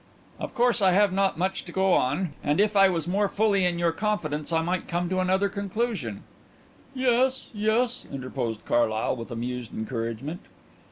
"Of course I have not much to go on, and if I was more fully in your confidence I might come to another conclusion " "Yes, yes," interposed Carlyle, with amused encouragement.